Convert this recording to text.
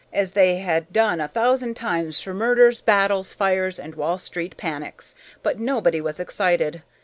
as they had done a thousand times for murders, battles, fires, and Wall Street panics, but nobody was excited.